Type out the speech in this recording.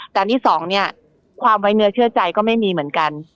แต่อันที่สองเนี่ยความไว้เนื้อเชื่อใจก็ไม่มีเหมือนกัน